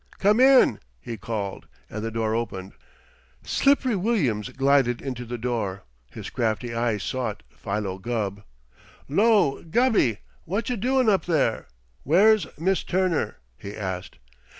"Come in!" he called, and the door opened. "Slippery" Williams glided into the room. His crafty eyes sought Philo Gubb. "'Lo, Gubby! Watcha doin' up there? Where's Miss Turner?" he asked.